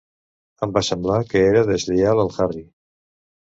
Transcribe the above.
Em va semblar que era deslleial al Harry.